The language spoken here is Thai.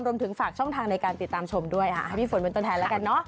รวมถึงฝากช่องทางในการติดตามชมด้วยให้พี่ฝนเป็นตัวแทนแล้วกันเนอะ